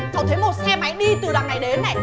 cháu thấy một xe máy đi từ đằng này đến này